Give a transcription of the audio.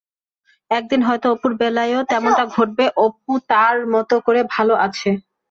একদিন হয়তো অপুর বেলায়ও তেমনটা ঘটবে অপু, তাঁর মতো করে ভালো আছে।